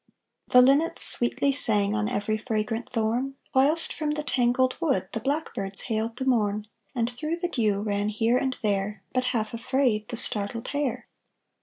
The linnets sweetly sang On every fragrant thorn, Whilst from the tangled wood The blackbirds hailed the morn; And through the dew Ran here and there, But half afraid, The startled hare.